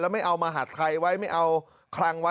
ไม่เอามหาดไทยไว้ไม่เอาคลังไว้